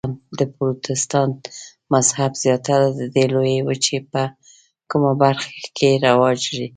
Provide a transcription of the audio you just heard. د پروتستانت مذهب زیاتره د دې لویې وچې په کومه برخه کې رواج لري؟